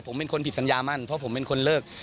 ผมเป็นคนผิดสัญญามั่นเพราะผมเป็นคนเลิก